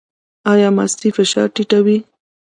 ایا مستې فشار ټیټوي؟